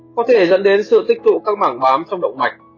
có thể dẫn đến sự tích cụ các mảng bám trong động mạch